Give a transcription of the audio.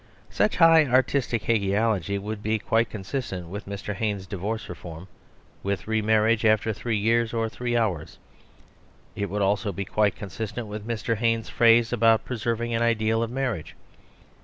Such high artistic hagiol ogy would be quite consistent with Mr. Haynes* divorce reform; with re marriage after three years, or three hours. It would also be quite consistent with Mr. Haynes' phrase about preserving an ideal of marriage.